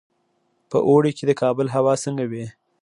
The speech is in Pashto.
په اوړي کې د کابل هوا څنګه وي؟